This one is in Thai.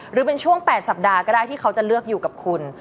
หรือเป็นช่วง๘สัปดาห์ก็ได้ที่เขาจะเลือกอยู่กับคุณ